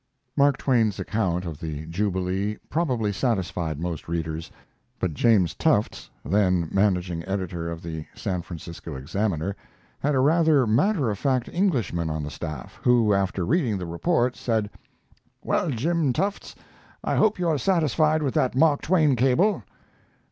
Mark Twain's account of the Jubilee probably satisfied most readers; but James Tufts, then managing editor of the San Francisco Examiner, had a rather matter of fact Englishman on the staff, who, after reading the report, said: "Well, Jim Tufts, I hope you are satisfied with that Mark Twain cable."